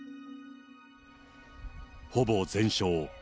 ほぼ全焼。